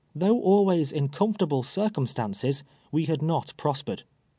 Though always in comfortable circumstances, we had not prospered.